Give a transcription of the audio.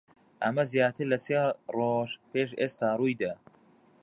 ئەمە زیاتر لە سێ ڕۆژ پێش ئێستا ڕووی دا.